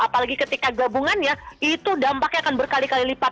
apalagi ketika gabungannya itu dampaknya akan berkali kali lipat